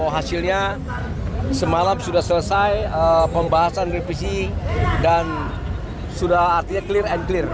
hasilnya semalam sudah selesai pembahasan revisi dan sudah artinya clear and clear